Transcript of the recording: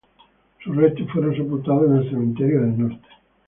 Sus restos fueron sepultados en el Cementerio del Norte.